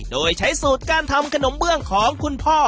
โดยใช้สูตรการทำขนมเบื้องของคุณพ่อ